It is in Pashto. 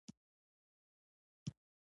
سپین ږیری د ټولنې د خوشحالۍ لپاره کار کوي